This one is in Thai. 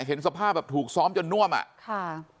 เห็นสภาพแบบถูกซ้อมจนน่วมอ่ะค่ะ